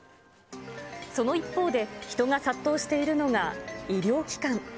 その一方で、人が殺到しているのが医療機関。